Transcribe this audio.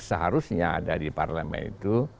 seharusnya ada di parlemen itu